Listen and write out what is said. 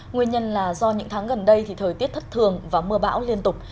nguyên nhân là do những tháng gần đây thì thời tiết thất thường và mưa bão liên tục